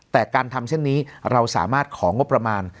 แต่การทำเช่นนี้เราสามารถของงบประมาณ